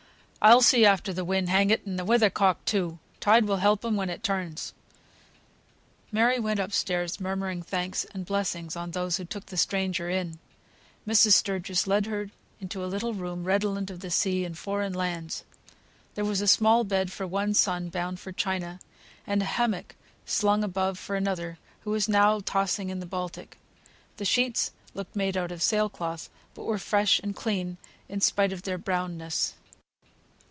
I'll see after the wind, hang it, and the weather cock, too. Tide will help 'em when it turns." Mary went up stairs murmuring thanks and blessings on those who took the stranger in. Mrs. Sturgis led her into a little room redolent of the sea and foreign lands. There was a small bed for one son, bound for China; and a hammock slung above for another, who was now tossing in the Baltic. The sheets looked made out of sail cloth, but were fresh and clean in spite of their brownness.